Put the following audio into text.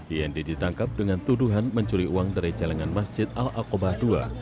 ynd ditangkap dengan tuduhan mencuri uang dari celengan masjid al aqobah ii